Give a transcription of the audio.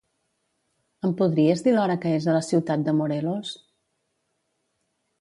Em podries dir l'hora que és a la ciutat de Morelos?